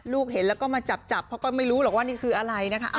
ลูกเห็นแล้วก็มาจับเขาก็ไม่รู้หรอกว่านี่คืออะไรนะคะ